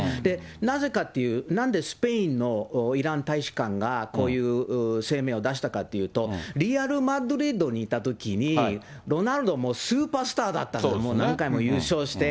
なぜかって、なんでスペインのイラン大使館がこういう声明を出したかというと、リアルマドリードにいたときに、ロナウドはもうスーパースターだったんですね、もう何回も優勝して。